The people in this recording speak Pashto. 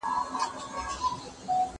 زه له سهاره ليکنې کوم